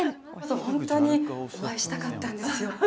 本当にお会いしたかったんですよ。